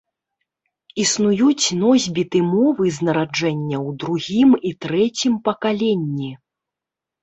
Існуюць носьбіты мовы з нараджэння ў другім і трэцім пакаленні.